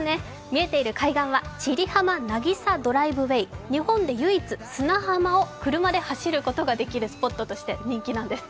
見えている海岸は千里浜なぎさドライブウェイ、日本で唯一砂浜を車で走ることができるスポットとして人気なんです。